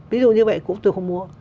ví dụ như vậy cũng tôi không mua